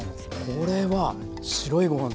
これは白いご飯